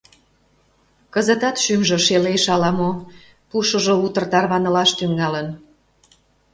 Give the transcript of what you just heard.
Кызытат шӱмжӧ шелеш ала мо — пушыжо утыр тарванылаш тӱҥалын.